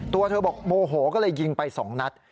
ตัวเธอบอกโมโหก็เลยยิงไป๒นัด